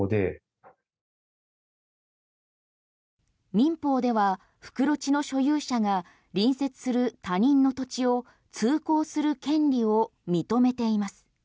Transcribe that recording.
民法では袋地の所有者が隣接する他人の土地を通行する権利を認めています。